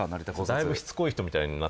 だいぶしつこい人みたいに。